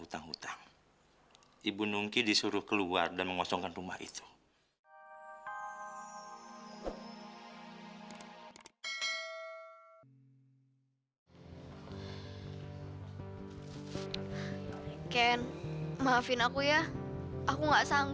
tidak ada yang bisa mencari teman lain